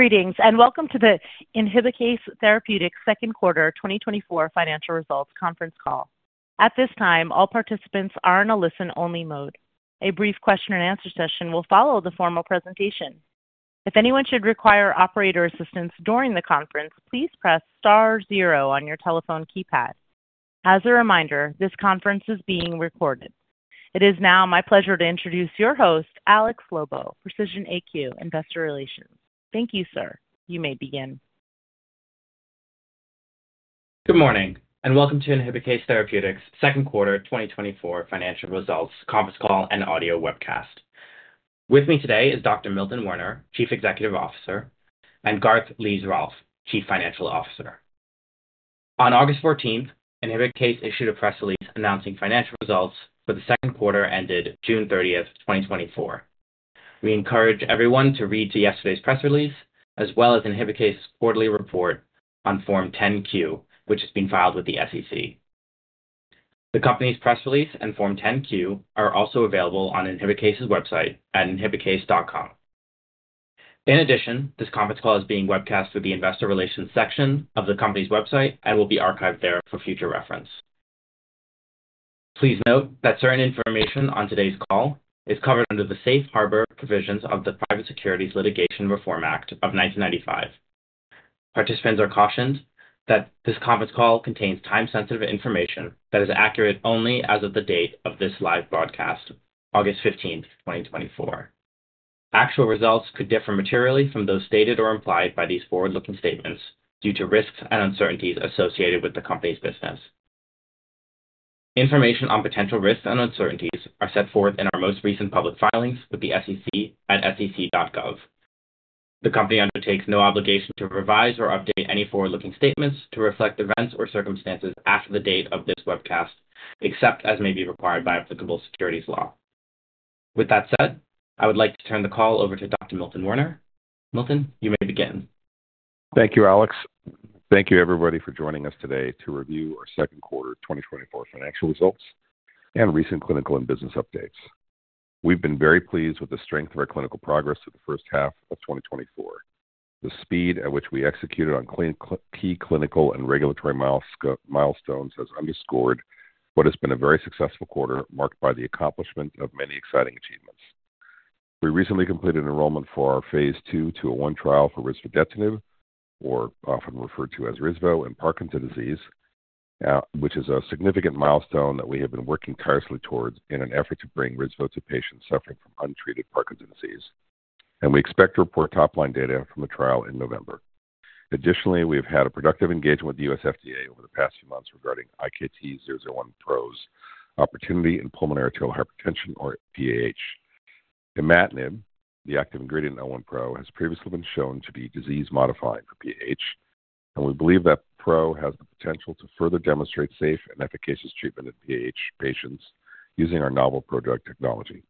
Greetings, and welcome to the Inhibikase Therapeutics second quarter 2024 financial results conference call. At this time, all participants are in a listen-only mode. A brief question and answer session will follow the formal presentation. If anyone should require operator assistance during the conference, please press star zero on your telephone keypad. As a reminder, this conference is being recorded. It is now my pleasure to introduce your host, Alex Lobo, Precision AQ, Investor Relations. Thank you, sir. You may begin. Good morning, and welcome to Inhibikase Therapeutics second quarter 2024 financial results conference call and audio webcast. With me today is Dr. Milton Werner, Chief Executive Officer, and Garth Lees-Rolfe, Chief Financial Officer. On August 14, Inhibikase issued a press release announcing financial results for the second quarter ended June 30, 2024. We encourage everyone to refer to yesterday's press release, as well as Inhibikase's quarterly report on Form 10-Q, which has been filed with the SEC. The company's press release and Form 10-Q are also available on Inhibikase's website at inhibikase.com. In addition, this conference call is being webcast through the investor relations section of the company's website and will be archived there for future reference. Please note that certain information on today's call is covered under the safe harbor provisions of the Private Securities Litigation Reform Act of 1995. Participants are cautioned that this conference call contains time-sensitive information that is accurate only as of the date of this live broadcast, August 15th, 2024. Actual results could differ materially from those stated or implied by these forward-looking statements due to risks and uncertainties associated with the company's business. Information on potential risks and uncertainties are set forth in our most recent public filings with the SEC at sec.gov. The company undertakes no obligation to revise or update any forward-looking statements to reflect events or circumstances after the date of this webcast, except as may be required by applicable securities law. With that said, I would like to turn the call over to Dr. Milton Werner. Milton, you may begin. Thank you, Alex. Thank you, everybody, for joining us today to review our second quarter 2024 financial results and recent clinical and business updates. We've been very pleased with the strength of our clinical progress through the first half of 2024. The speed at which we executed on key clinical and regulatory milestones has underscored what has been a very successful quarter, marked by the accomplishment of many exciting achievements. We recently completed enrollment for our phase II 201 trial for risvodetinib, or often referred to as risvo, in Parkinson's disease, which is a significant milestone that we have been working tirelessly towards in an effort to bring risvodetinib to patients suffering from untreated Parkinson's disease. And we expect to report top-line data from the trial in November. Additionally, we have had a productive engagement with the U.S. FDA over the past few months regarding IkT-001Pro's opportunity in pulmonary arterial hypertension or PAH. Imatinib, the active ingredient in IkT-001Pro, has previously been shown to be disease-modifying for PAH, and we believe that IkT-001Pro has the potential to further demonstrate safe and efficacious treatment of PAH patients using our novel prodrug technology.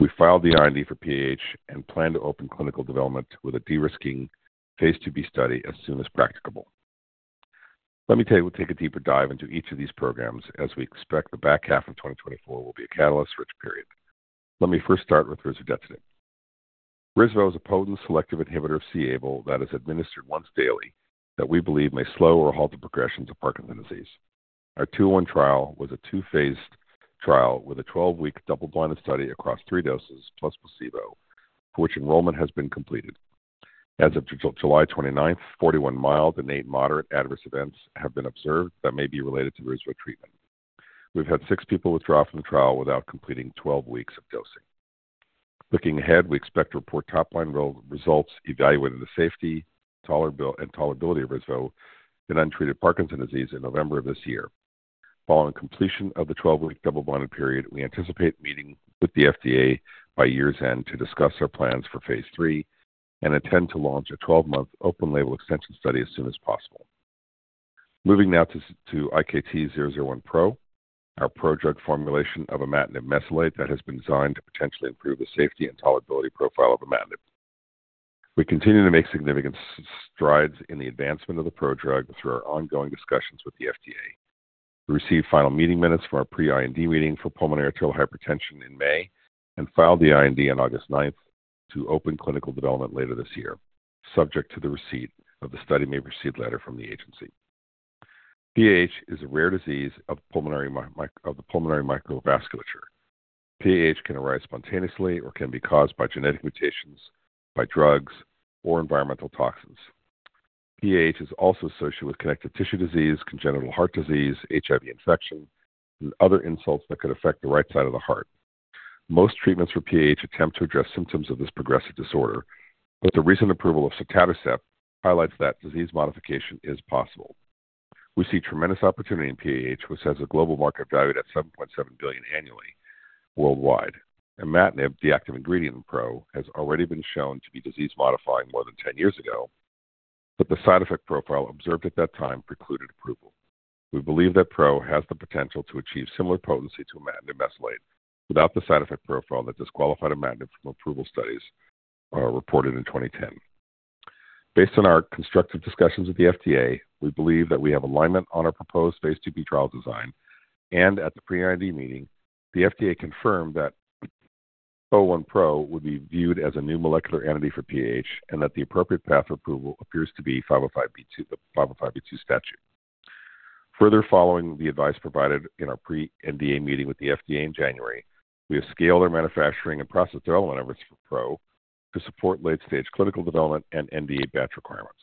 We filed the IND for PAH and plan to open clinical development with a de-risking phase 2b study as soon as practicable. Let me tell you, we'll take a deeper dive into each of these programs, as we expect the back half of 2024 will be a catalyst-rich period. Let me first start with risvodetinib. Risvodetinib is a potent selective inhibitor of c-Abl that is administered once daily that we believe may slow or halt the progression of Parkinson's disease. Our 201 trial was a two-phased trial with a 12-week double-blinded study across 3 doses plus placebo, for which enrollment has been completed. As of July 29, 41 mild and 8 moderate adverse events have been observed that may be related to risvodetinib treatment. We've had 6 people withdraw from the trial without completing 12 weeks of dosing. Looking ahead, we expect to report top-line results evaluating the safety and tolerability of risvodetinib in untreated Parkinson's disease in November of this year. Following completion of the 12-week double-blinded period, we anticipate meeting with the FDA by year's end to discuss our plans for phase III and intend to launch a 12-month open-label extension study as soon as possible. Moving now to IkT-001Pro, our prodrug formulation of imatinib mesylate that has been designed to potentially improve the safety and tolerability profile of imatinib. We continue to make significant strides in the advancement of the prodrug through our ongoing discussions with the FDA. We received final meeting minutes from our pre-IND meeting for pulmonary arterial hypertension in May and filed the IND on August ninth to open clinical development later this year, subject to the receipt of the Study May Proceed letter from the agency. PAH is a rare disease of the pulmonary microvasculature. PAH can arise spontaneously or can be caused by genetic mutations, by drugs, or environmental toxins. PAH is also associated with connective tissue disease, congenital heart disease, HIV infection, and other insults that could affect the right side of the heart. Most treatments for PAH attempt to address symptoms of this progressive disorder, but the recent approval of sotatercept highlights that disease modification is possible. We see tremendous opportunity in PAH, which has a global market valued at $7.7 billion annually worldwide. Imatinib, the active ingredient in IkT-001Pro, has already been shown to be disease modifying more than 10 years ago, but the side effect profile observed at that time precluded approval. We believe that IkT-001Pro has the potential to achieve similar potency to imatinib mesylate without the side effect profile that disqualified imatinib from approval studies, reported in 2010. Based on our constructive discussions with the FDA, we believe that we have alignment on our proposed phase 2b trial design, and at the pre-IND meeting, the FDA confirmed that IkT-001Pro would be viewed as a new molecular entity for PAH, and that the appropriate path approval appears to be 505(b)(2), the 505(b)(2) statute. Further following the advice provided in our pre-NDA meeting with the FDA in January, we have scaled our manufacturing and process development efforts for Pro to support late-stage clinical development and NDA batch requirements.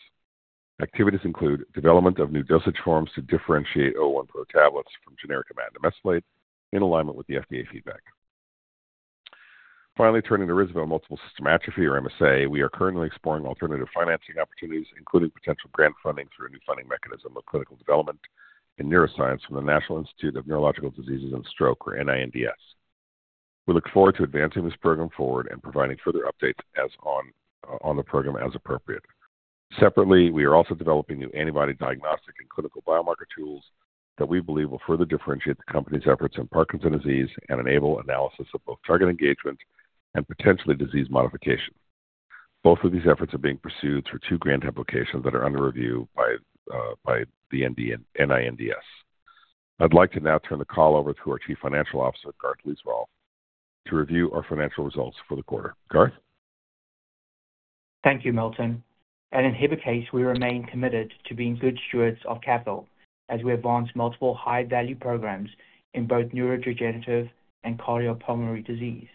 Activities include development of new dosage forms to differentiate IkT-001Pro tablets from generic imatinib mesylate, in alignment with the FDA feedback. Finally, turning to risvodetinib, Multiple System Atrophy, or MSA. We are currently exploring alternative financing opportunities, including potential grant funding through a new funding mechanism of clinical development in neuroscience from the National Institute of Neurological Disorders and Stroke, or NINDS. We look forward to advancing this program forward and providing further updates on the program as appropriate. Separately, we are also developing new antibody diagnostic and clinical biomarker tools that we believe will further differentiate the company's efforts in Parkinson's disease and enable analysis of both target engagement and potentially disease modification. Both of these efforts are being pursued through two grant applications that are under review by the NINDS. I'd like to now turn the call over to our Chief Financial Officer, Garth Lees-Rolfe, to review our financial results for the quarter. Garth? Thank you, Milton. At Inhibikase, we remain committed to being good stewards of capital as we advance multiple high-value programs in both neurodegenerative and cardiopulmonary disease.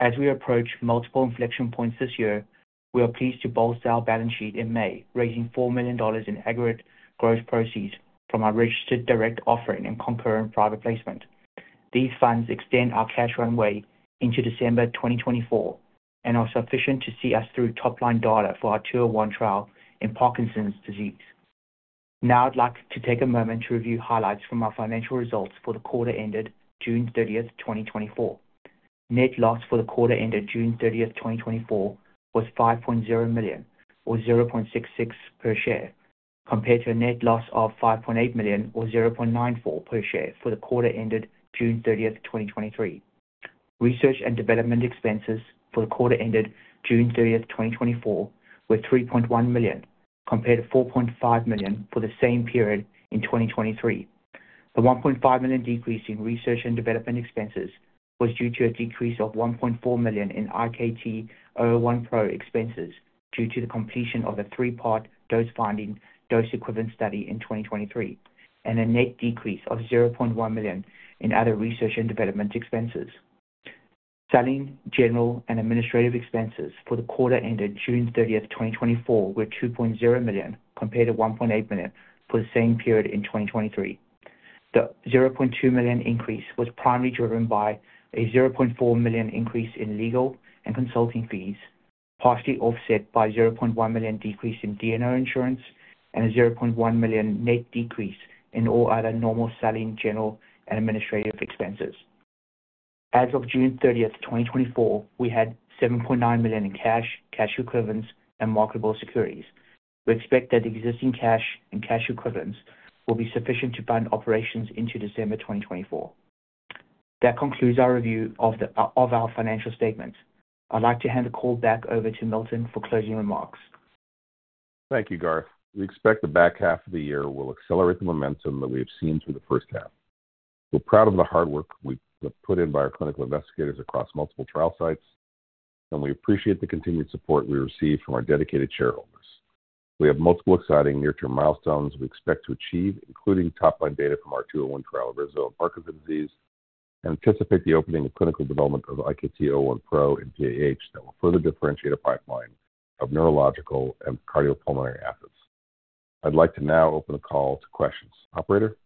As we approach multiple inflection points this year, we are pleased to bolster our balance sheet in May, raising $4 million in aggregate gross proceeds from our registered direct offering and concurrent private placement. These funds extend our cash runway into December 2024 and are sufficient to see us through top-line data for our 201 trial in Parkinson's disease. Now I'd like to take a moment to review highlights from our financial results for the quarter ended June 30, 2024. Net loss for the quarter ended June 30, 2024, was $5.0 million, or $0.66 per share, compared to a net loss of $5.8 million, or $0.94 per share, for the quarter ended June 30, 2023. Research and development expenses for the quarter ended June 30, 2024, were $3.1 million, compared to $4.5 million for the same period in 2023. The $1.5 million decrease in research and development expenses was due to a decrease of $1.4 million in IkT-001Pro expenses due to the completion of a three-part dose-finding, dose-equivalent study in 2023, and a net decrease of $0.1 million in other research and development expenses. Selling, general, and administrative expenses for the quarter ended June 30, 2024, were $2.0 million, compared to $1.8 million for the same period in 2023. The $0.2 million increase was primarily driven by a $0.4 million increase in legal and consulting fees, partially offset by $0.1 million decrease in D&O insurance and a $0.1 million net decrease in all other normal selling, general, and administrative expenses. As of June 30, 2024, we had $7.9 million in cash, cash equivalents, and marketable securities. We expect that existing cash and cash equivalents will be sufficient to fund operations into December 2024. That concludes our review of our financial statements. I'd like to hand the call back over to Milton for closing remarks. Thank you, Garth. We expect the back half of the year will accelerate the momentum that we have seen through the first half. We're proud of the hard work we put in by our clinical investigators across multiple trial sites, and we appreciate the continued support we receive from our dedicated shareholders. We have multiple exciting near-term milestones we expect to achieve, including top-line data from our 201 trial of risvodetinib and Parkinson's disease, and anticipate the opening of clinical development of the IkT-001Pro in PAH that will further differentiate a pipeline of neurological and cardiopulmonary assets. I'd like to now open the call to questions. Operator?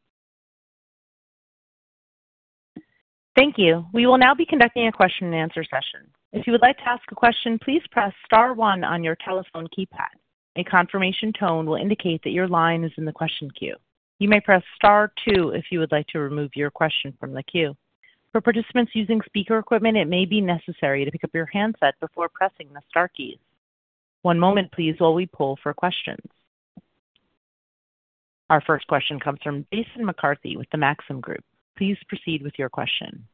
Thank you. We will now be conducting a question and answer session. If you would like to ask a question, please press star one on your telephone keypad. A confirmation tone will indicate that your line is in the question queue. You may press star two if you would like to remove your question from the queue. For participants using speaker equipment, it may be necessary to pick up your handset before pressing the star keys. One moment please, while we poll for questions. Our first question comes from Jason McCarthy with the Maxim Group. Please proceed with your question.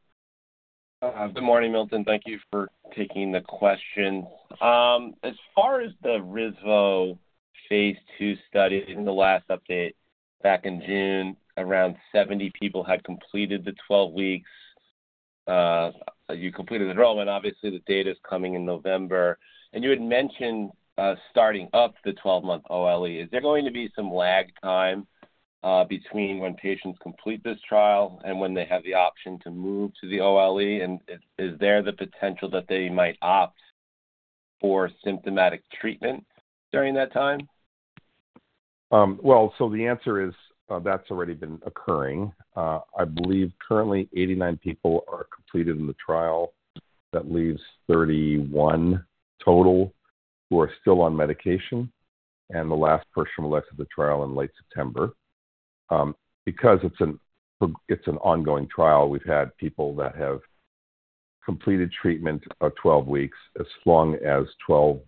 Good morning, Milton. Thank you for taking the question. As far as the risvodetinib phase II study, in the last update back in June, around 70 people had completed the 12 weeks. You completed the enrollment. Obviously, the data is coming in November, and you had mentioned starting up the 12-month OLE. Is there going to be some lag time between when patients complete this trial and when they have the option to move to the OLE? And is there the potential that they might opt for symptomatic treatment during that time? Well, so the answer is, that's already been occurring. I believe currently 89 people are completed in the trial. That leaves 31 total, who are still on medication, and the last person will exit the trial in late September. Because it's an ongoing trial, we've had people that have completed treatment of 12 weeks, as long as 12,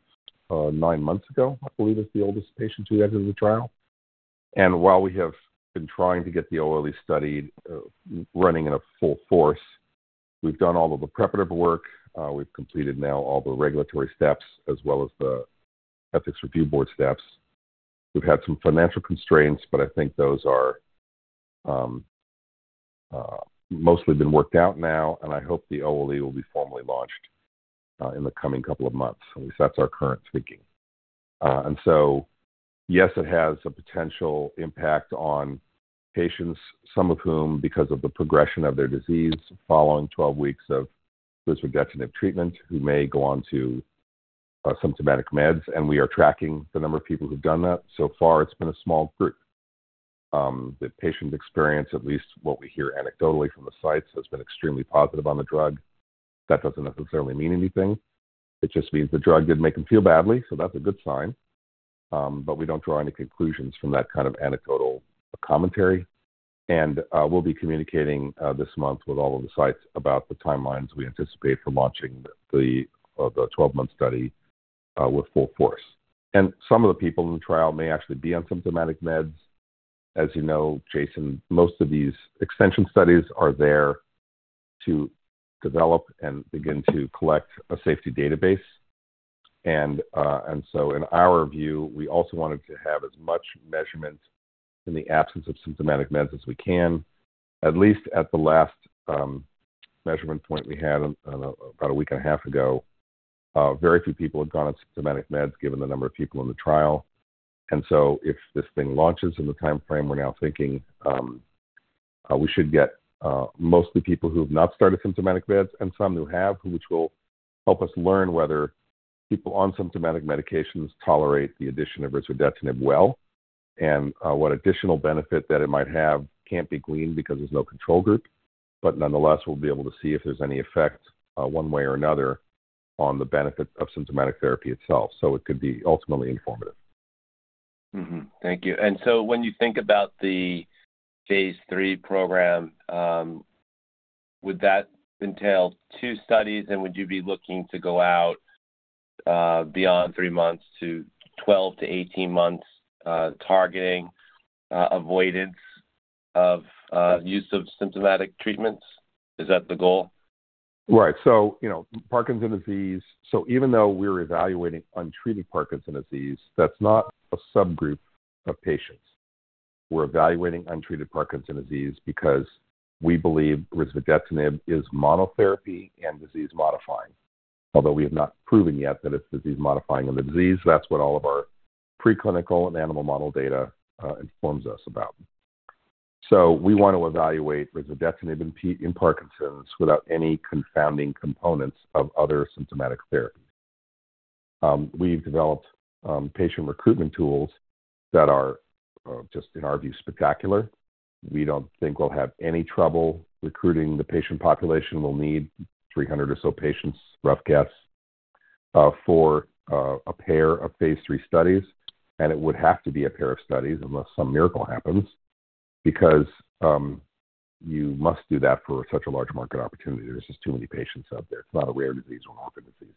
nine months ago, I believe, is the oldest patient who exited the trial. And while we have been trying to get the OLE study, running in a full force, we've done all of the preparative work. We've completed now all the regulatory steps as well as the ethics review board steps. We've had some financial constraints, but I think those are, mostly been worked out now, and I hope the OLE will be formally launched, in the coming couple of months. At least that's our current thinking. And so, yes, it has a potential impact on patients, some of whom, because of the progression of their disease, following 12 weeks of risvodetinib treatment, who may go on to, symptomatic meds, and we are tracking the number of people who've done that. So far, it's been a small group. The patient experience, at least what we hear anecdotally from the sites, has been extremely positive on the drug. That doesn't necessarily mean anything. It just means the drug didn't make them feel badly, so that's a good sign. But we don't draw any conclusions from that kind of anecdotal commentary. We'll be communicating this month with all of the sites about the timelines we anticipate for launching the 12-month study with full force. Some of the people in the trial may actually be on symptomatic meds. As you know, Jason, most of these extension studies are there to develop and begin to collect a safety database. And, and so in our view, we also wanted to have as much measurement in the absence of symptomatic meds as we can, at least at the last measurement point we had about a week and a half ago. Very few people had gone on symptomatic meds given the number of people in the trial. And so if this thing launches in the timeframe, we're now thinking, we should get, mostly people who have not started symptomatic meds and some who have, which will help us learn whether people on symptomatic medications tolerate the addition of risvodetinib well, and, what additional benefit that it might have can't be gleaned because there's no control group. But nonetheless, we'll be able to see if there's any effect, one way or another on the benefit of symptomatic therapy itself. So it could be ultimately informative. Mm-hmm. Thank you. So when you think about the phase III program, would that entail 2 studies, and would you be looking to go out beyond 3 months to 12-18 months, targeting avoidance of use of symptomatic treatments? Is that the goal? Right. So, you know, Parkinson's disease... So even though we're evaluating untreated Parkinson's disease, that's not a subgroup of patients. We're evaluating untreated Parkinson's disease because we believe risvodetinib is monotherapy and disease-modifying. Although we have not proven yet that it's disease-modifying in the disease, that's what all of our preclinical and animal model data informs us about. So we want to evaluate risvodetinib in Parkinson's without any confounding components of other symptomatic therapies. We've developed patient recruitment tools that are just, in our view, spectacular. We don't think we'll have any trouble recruiting the patient population. We'll need 300 or so patients, rough guess, for a pair of phase III studies, and it would have to be a pair of studies unless some miracle happens, because you must do that for such a large market opportunity. There's just too many patients out there. It's not a rare disease or an orphan disease.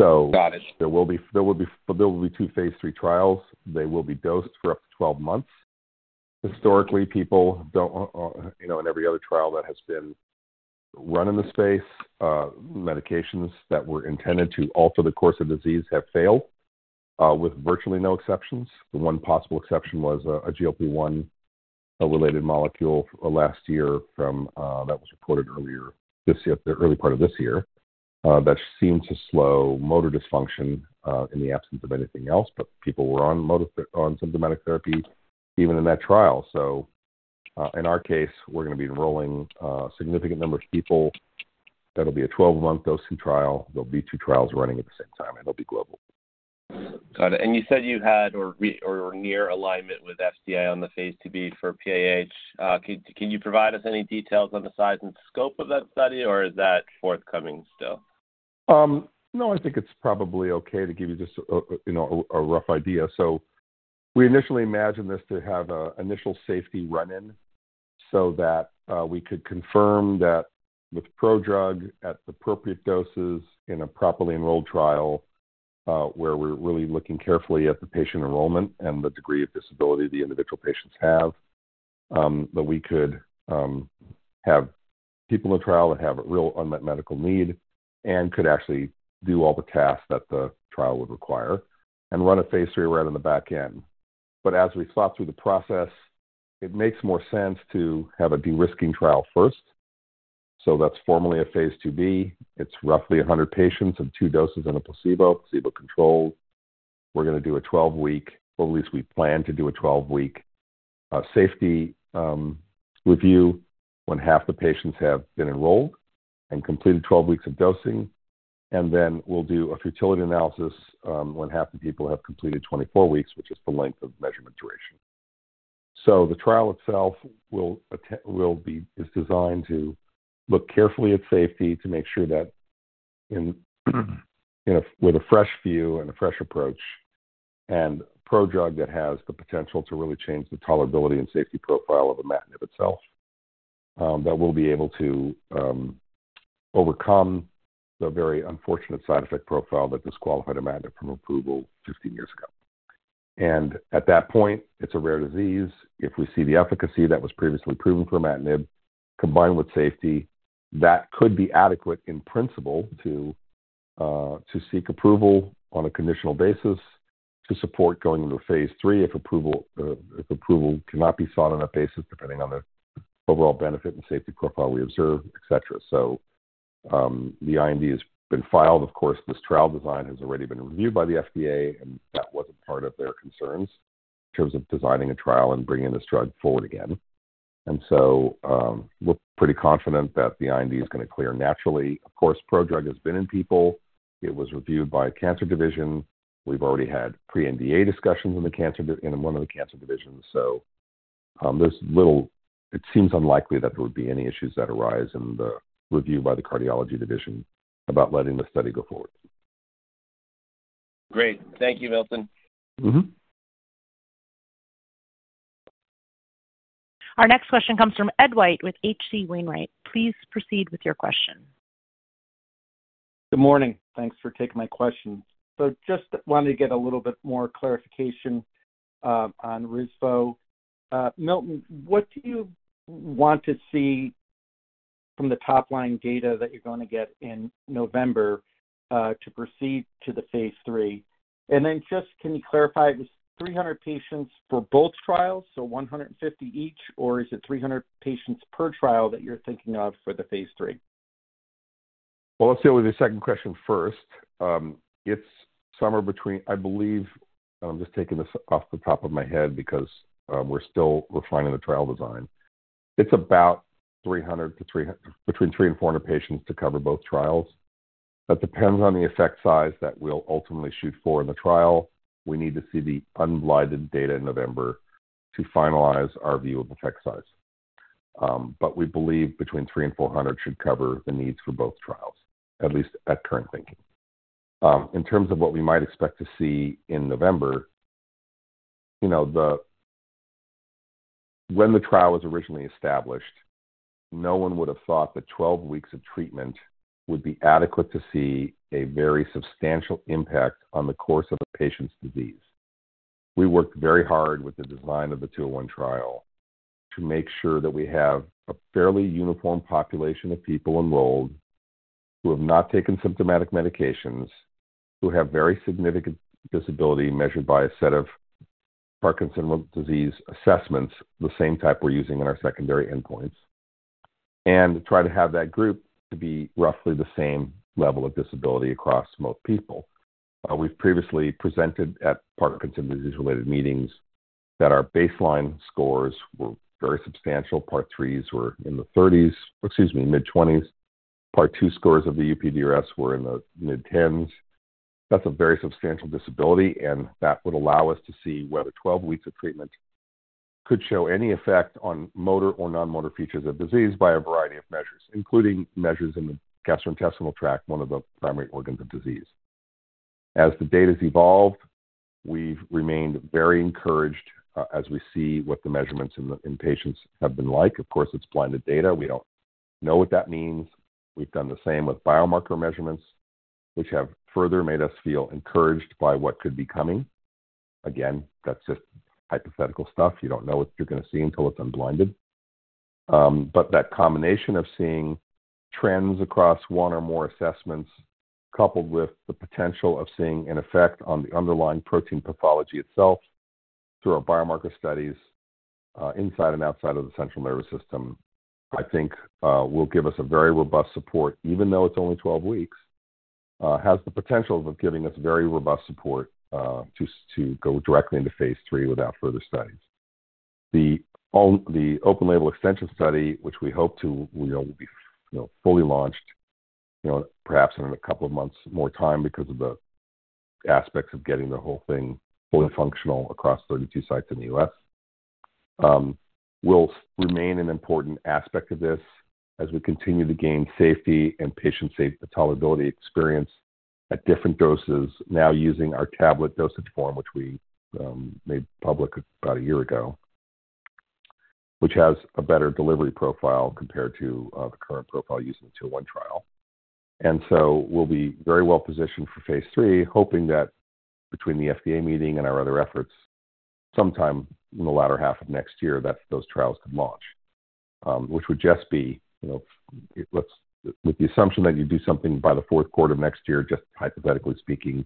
So- Got it. There will be, there will be, there will be two phase III trials. They will be dosed for up to 12 months. Historically, people don't, you know, in every other trial that has been run in the space, medications that were intended to alter the course of disease have failed, with virtually no exceptions. The one possible exception was a GLP-1, a related molecule last year from, that was reported earlier this year, the early part of this year, that seemed to slow motor dysfunction, in the absence of anything else, but people were on motor... on symptomatic therapy even in that trial. So, in our case, we're going to be enrolling, significant numbers of people. That'll be a 12-month dosing trial. There'll be two trials running at the same time, and they'll be global. Got it. And you said you had or or near alignment with FDA on the Phase 2b for PAH. Can you provide us any details on the size and scope of that study, or is that forthcoming still? No, I think it's probably okay to give you just a, you know, a rough idea. So we initially imagined this to have a initial safety run-in so that we could confirm that with prodrug at the appropriate doses in a properly enrolled trial, where we're really looking carefully at the patient enrollment and the degree of disability the individual patients have, that we could have people in the trial that have a real unmet medical need and could actually do all the tasks that the trial would require and run a phase III right on the back end. But as we thought through the process, it makes more sense to have a de-risking trial first. So that's formally a phase 2b. It's roughly 100 patients of two doses and a placebo, placebo-controlled. We're gonna do a 12 week, or at least we plan to do a 12 week safety review when half the patients have been enrolled and completed 12 weeks of dosing. And then we'll do a futility analysis when half the people have completed 24 weeks, which is the length of measurement duration. So the trial itself will be, is designed to look carefully at safety, to make sure that in, you know, with a fresh view and a fresh approach, and prodrug that has the potential to really change the tolerability and safety profile of imatinib itself, that we'll be able to overcome the very unfortunate side effect profile that disqualified imatinib from approval 15 years ago. And at that point, it's a rare disease. If we see the efficacy that was previously proven for imatinib, combined with safety, that could be adequate in principle to seek approval on a conditional basis to support going into phase III, if approval cannot be sought on that basis, depending on the overall benefit and safety profile we observe, et cetera. So, the IND has been filed. Of course, this trial design has already been reviewed by the FDA, and that wasn't part of their concerns in terms of designing a trial and bringing this drug forward again. And so, we're pretty confident that the IND is going to clear naturally. Of course, prodrug has been in people. It was reviewed by a cancer division. We've already had pre-NDA discussions in the cancer division, so, there's little... It seems unlikely that there would be any issues that arise in the review by the cardiology division about letting the study go forward. Great. Thank you, Milton. Mm-hmm. Our next question comes from Ed White with H.C. Wainwright. Please proceed with your question. Good morning. Thanks for taking my question. So just wanted to get a little bit more clarification on risvodetinib. Milton, what do you want to see from the top-line data that you're going to get in November to proceed to the phase III? And then just can you clarify, it was 300 patients for both trials, so 150 each, or is it 300 patients per trial that you're thinking of for the phase III? Well, let's deal with the second question first. It's somewhere between, I believe, and I'm just taking this off the top of my head because we're still refining the trial design. It's about between 300 and 400 patients to cover both trials. That depends on the effect size that we'll ultimately shoot for in the trial. We need to see the unblinded data in November to finalize our view of effect size. But we believe between 300 and 400 should cover the needs for both trials, at least at current thinking. In terms of what we might expect to see in November, you know, the... When the trial was originally established, no one would have thought that 12 weeks of treatment would be adequate to see a very substantial impact on the course of a patient's disease. We worked very hard with the design of the 201 trial to make sure that we have a fairly uniform population of people enrolled, who have not taken symptomatic medications, who have very significant disability, measured by a set of Parkinson's disease assessments, the same type we're using in our secondary endpoints, and to try to have that group to be roughly the same level of disability across most people. We've previously presented at Parkinson's disease-related meetings that our baseline scores were very substantial. Part 3s were in the 30s, excuse me, mid-20s. Part 2 scores of the UPDRS were in the mid-10s. That's a very substantial disability, and that would allow us to see whether 12 weeks of treatment could show any effect on motor or non-motor features of disease by a variety of measures, including measures in the gastrointestinal tract, one of the primary organs of disease. As the data's evolved, we've remained very encouraged, as we see what the measurements in the patients have been like. Of course, it's blinded data. We don't know what that means. We've done the same with biomarker measurements, which have further made us feel encouraged by what could be coming. Again, that's just hypothetical stuff. You don't know what you're going to see until it's unblinded. But that combination of seeing trends across one or more assessments, coupled with the potential of seeing an effect on the underlying protein pathology itself through our biomarker studies, inside and outside of the central nervous system, I think, will give us a very robust support, even though it's only 12 weeks. Has the potential of giving us very robust support, to, to go directly into phase III without further studies. The open-label extension study, which we hope to, you know, be, you know, fully launched, you know, perhaps in a couple of months more time because of the aspects of getting the whole thing fully functional across 32 sites in the U.S., will remain an important aspect of this as we continue to gain safety and patient safety tolerability experience at different doses. Now, using our tablet dosage form, which we made public about a year ago, which has a better delivery profile compared to the current profile used in the 201 trial. And so we'll be very well positioned for phase III, hoping that between the FDA meeting and our other efforts, sometime in the latter half of next year, that those trials could launch. Which would just be, you know, with the assumption that you do something by the fourth quarter of next year, just hypothetically speaking,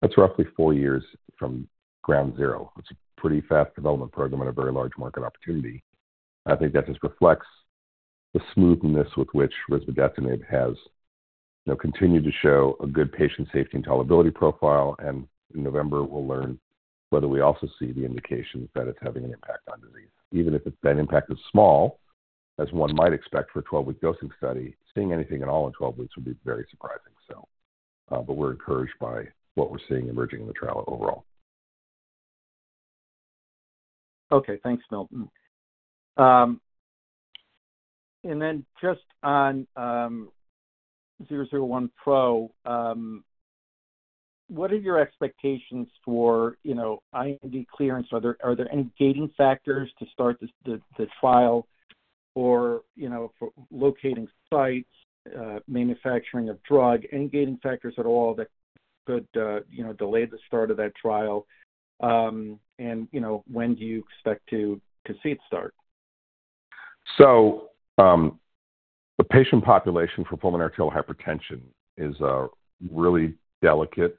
that's roughly 4 years from ground zero. It's a pretty fast development program and a very large market opportunity. I think that just reflects the smoothness with which risvodetinib has, you know, continued to show a good patient safety and tolerability profile. In November, we'll learn whether we also see the indications that it's having an impact on disease. Even if that impact is small, as one might expect for a 12-week dosing study, seeing anything at all in 12 weeks would be very surprising. But we're encouraged by what we're seeing emerging in the trial overall. Okay, thanks, Milton. And then just on IkT-001Pro. What are your expectations for, you know, IND clearance? Are there any gating factors to start this, the trial or, you know, for locating sites, manufacturing of drug? Any gating factors at all that could, you know, delay the start of that trial? And, you know, when do you expect to see it start? So, the patient population for pulmonary arterial hypertension is a really delicate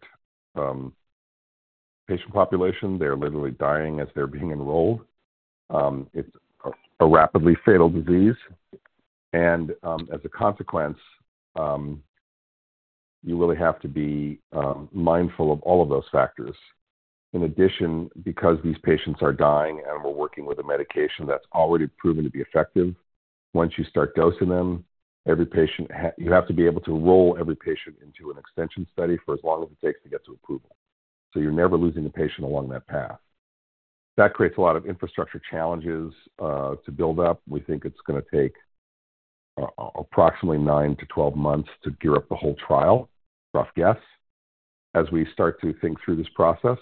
patient population. They're literally dying as they're being enrolled. It's a rapidly fatal disease, and as a consequence, you really have to be mindful of all of those factors. In addition, because these patients are dying and we're working with a medication that's already proven to be effective, once you start dosing them, you have to be able to roll every patient into an extension study for as long as it takes to get to approval, so you're never losing a patient along that path. That creates a lot of infrastructure challenges to build up. We think it's gonna take approximately 9-12 months to gear up the whole trial. Rough guess. As we start to think through this process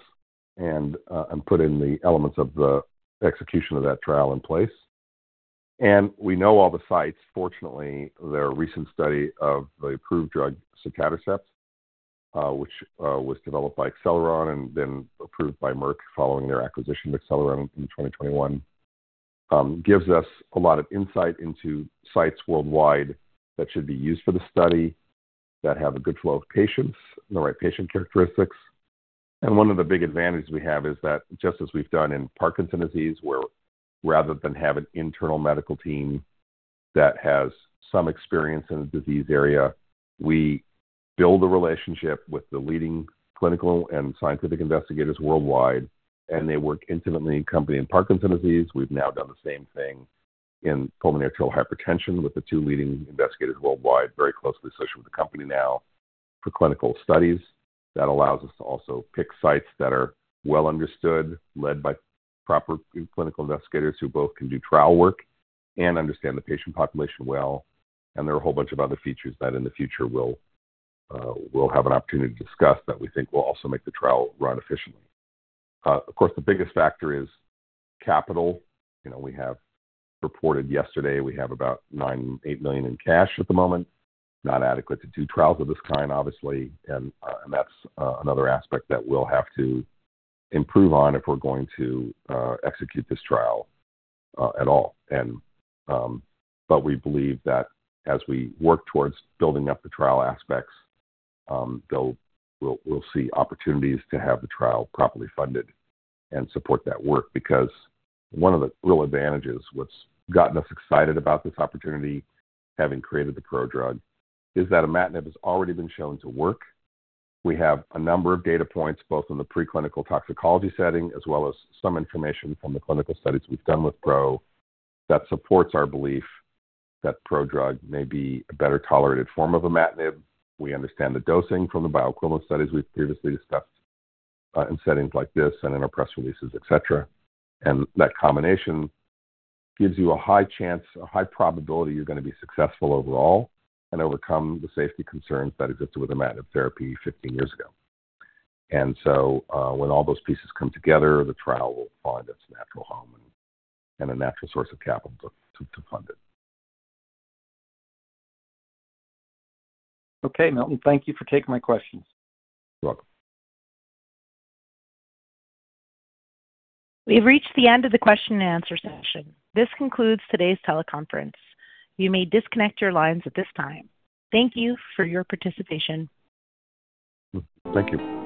and, and put in the elements of the execution of that trial in place. And we know all the sites. Fortunately, their recent study of the approved drug, sotatercept, which, was developed by Acceleron and then approved by Merck following their acquisition of Acceleron in 2021, gives us a lot of insight into sites worldwide that should be used for the study, that have a good flow of patients and the right patient characteristics. And one of the big advantages we have is that just as we've done in Parkinson's disease, where rather than have an internal medical team that has some experience in a disease area, we build a relationship with the leading clinical and scientific investigators worldwide, and they work intimately in company. In Parkinson's disease, we've now done the same thing in pulmonary arterial hypertension, with the two leading investigators worldwide, very closely associated with the company now for clinical studies. That allows us to also pick sites that are well understood, led by proper clinical investigators who both can do trial work and understand the patient population well. There are a whole bunch of other features that in the future we'll, we'll have an opportunity to discuss, that we think will also make the trial run efficiently. Of course, the biggest factor is capital. You know, we have reported yesterday, we have about $9.8 million in cash at the moment. Not adequate to do trials of this kind, obviously, and, and that's another aspect that we'll have to improve on if we're going to execute this trial at all. We believe that as we work towards building up the trial aspects, we'll see opportunities to have the trial properly funded and support that work. Because one of the real advantages, what's gotten us excited about this opportunity, having created the prodrug, is that imatinib has already been shown to work. We have a number of data points, both in the preclinical toxicology setting as well as some information from the clinical studies we've done with Pro, that supports our belief that prodrug may be a better tolerated form of imatinib. We understand the dosing from the biochemical studies we've previously discussed, in settings like this and in our press releases, et cetera. And that combination gives you a high chance, a high probability you're gonna be successful overall and overcome the safety concerns that existed with imatinib therapy 15 years ago. And so, when all those pieces come together, the trial will find its natural home and a natural source of capital to fund it. Okay, Milton, thank you for taking my questions. You're welcome. We've reached the end of the question and answer session. This concludes today's teleconference. You may disconnect your lines at this time. Thank you for your participation. Thank you.